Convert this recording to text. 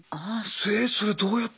えそれどうやって？